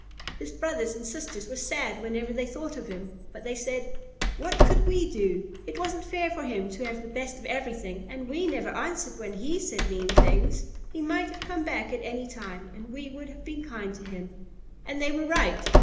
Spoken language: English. His brothers and sisters were sad whenever they thought of him. But, they said, "what could we do? It wasn't fair for him to have the best of everything, and we never answered when he said mean things. He might have come back at any time and we would have been kind to him." And they were right.